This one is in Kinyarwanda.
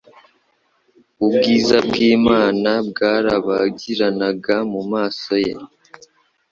ubwiza bw'Imana bwarabagiranaga mu maso ye,